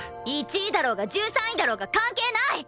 １位だろうが１３位だろうが関係ない！